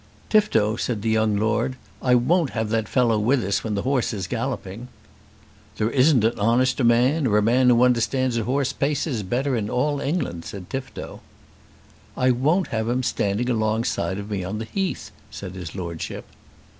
"Tifto," said the young Lord, "I won't have that fellow with us when the horse is galloping." "There isn't an honester man, or a man who understands a horse's paces better in all England," said Tifto. "I won't have him standing alongside of me on the Heath," said his Lordship.